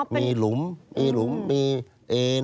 มีหลุมมีเอน